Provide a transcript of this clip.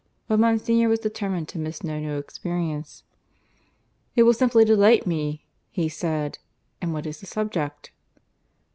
But Monsignor was determined to miss no new experience. "It will simply delight me," he said. "And what is the subject?"